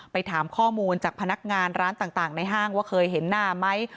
ไปถามข้อมูลจากพนักงานร้านต่างในห้างว่าเคยเห็นหน้าไหม